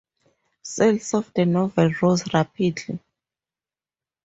Sales of the novel rose rapidly.